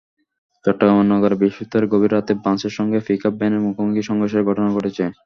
চট্টগ্রামে নগরে বৃহস্পতিবার গভীর রাতে বাসের সঙ্গে পিকআপ ভ্যানের মুখোমুখি সংঘর্ষের ঘটনা ঘটেছে।